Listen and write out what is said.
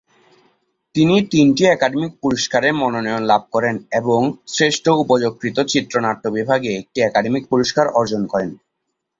তিনি তিনটি একাডেমি পুরস্কারের মনোনয়ন লাভ করেন এবং শ্রেষ্ঠ উপযোগকৃত চিত্রনাট্য বিভাগে একটি একাডেমি পুরস্কার অর্জন করেন।